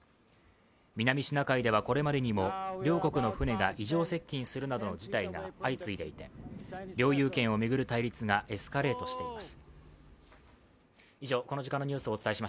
南シナ海ではこれまでにも両国の船が異常接近するなどの事態が相次いでいて領有権を巡る対立がエスカレートしています。